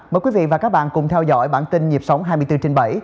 mời quý vị và các bạn cùng theo dõi bản tin nhịp sống hai mươi bốn trên bảy